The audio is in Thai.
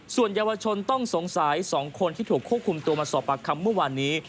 ส่วนเยาวชนต้องสงสัย๒คนที่ถูกควบคุมตัวมาสอบปากคำเมื่อวานนี้